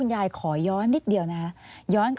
อันดับ๖๓๕จัดใช้วิจิตร